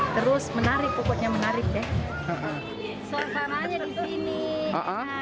terus menarik pokoknya menarik deh